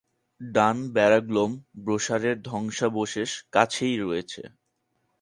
ডান ব্যারাগ্লোম ব্রোশারের ধ্বংসাবশেষ কাছেই রয়েছে।